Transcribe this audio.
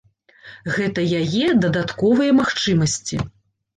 Гэта яе дадатковыя магчымасці.